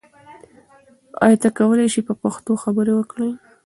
ایا ته کولای شې چې په پښتو خبرې وکړې؟